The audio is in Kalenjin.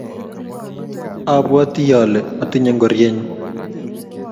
abwatii ale itinye ngorienyu,